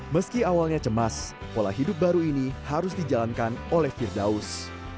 meski awalnya cemas pola hidup baru ini harus dijalankan oleh firdaus